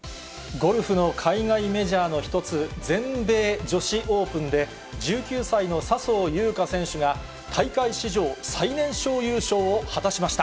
ゴルフの海外メジャーの一つ、全米女子オープンで、１９歳の笹生優花選手が、大会史上最年少優勝を果たしました。